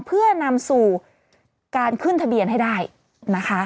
เพื่อนำสู่การขึ้นทะเบียนให้ได้นะคะ